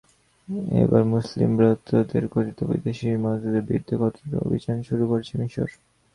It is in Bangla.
এবার মুসিলম ব্রাদারহুডের কথিত বিদেশি মদদদাতাদের বিরুদ্ধে কূটনৈতিক অভিযান শুরু করেছে মিসর।